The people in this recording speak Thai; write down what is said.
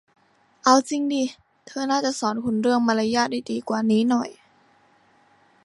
เอาจริงดิ เธอน่าจะสอนคุณเรื่องมารยาทได้ดีกว่านี้หน่อย